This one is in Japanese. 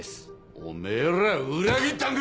おめぇら裏切ったんか！